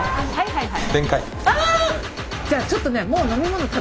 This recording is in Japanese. はいはいはい。